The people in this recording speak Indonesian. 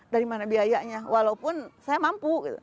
dari mana biayanya walaupun saya mampu gitu